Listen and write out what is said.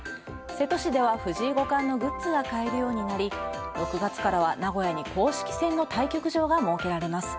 瀬戸市では藤井五冠のグッズが買えるようになり６月からは名古屋に公式戦の対局場が設けられます。